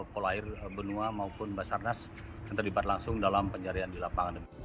polair benua maupun basarnas yang terlibat langsung dalam pencarian di lapangan